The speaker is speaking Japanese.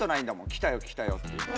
「来たよ来たよ」っていうのは。